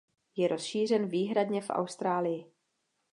Je rozšířen výhradně v Austrálii.